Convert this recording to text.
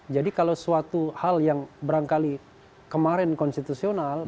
jadi kalau suatu hal yang berangkali kemarin konstitusional